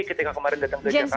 ketika kemarin datang ke jakarta